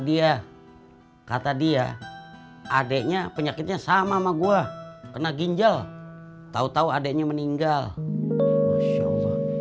dia kata dia adiknya penyakitnya sama sama gua kena ginjal tahu tahu adiknya meninggal masya allah